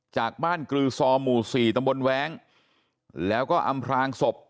จากบ้านกรือซอหมู่๔ตำบลแว้งแล้วก็อำพลางศพ